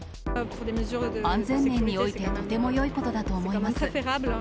安全面においてとてもよいことだと思います。